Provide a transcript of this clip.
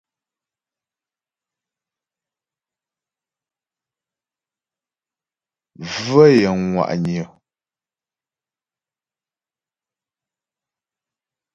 Bvə̂ yəŋ ŋwà'nyə̀.